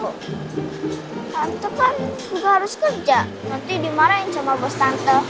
hantu kan nggak harus kerja nanti dimarahin sama bos tante